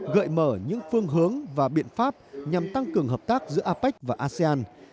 gợi mở những phương hướng và biện pháp nhằm tăng cường hợp tác giữa apec và asean